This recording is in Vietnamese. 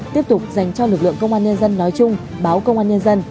tiếp tục dành cho lực lượng công an nhân dân nói chung báo công an nhân dân